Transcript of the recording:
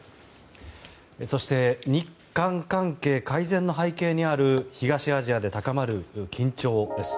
そして日韓関係改善の背景にある東アジアで高まる緊張です。